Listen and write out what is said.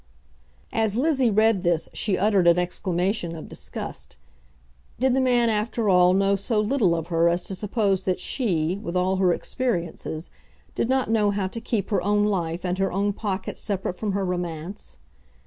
As Lizzie read this she uttered an exclamation of disgust. Did the man after all know so little of her as to suppose that she, with all her experiences, did not know how to keep her own life and her own pocket separate from her romance?